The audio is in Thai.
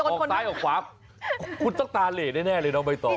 ออกซ้ายออกขวาคุณต้องตาเหล่แน่เลยน้องใบตอ